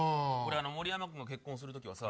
盛山君が結婚するときはさ